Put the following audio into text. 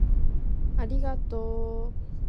The hurling field is to the south of the town.